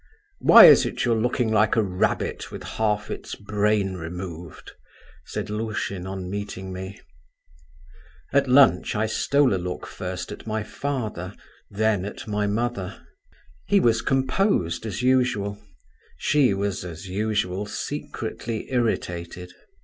"Why is it you're looking like a rabbit with half its brain removed?" said Lushin on meeting me. At lunch I stole a look first at my father, then at my mother: he was composed, as usual; she was, as usual, secretly irritated.